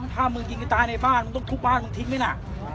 ถ้ามึงยิงให้ตายในบ้านมึงต้องทุบบ้านมึงทิ้งไหมน่ะ